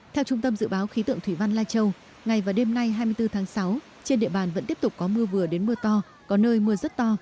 theo trung tâm dự báo khí tượng thủy văn lai châu ngày và đêm nay hai mươi bốn tháng sáu trên địa bàn vẫn tiếp tục có mưa vừa đến mưa to có nơi mưa rất to